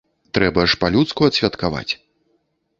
Трэба ж па-людску адсвяткаваць.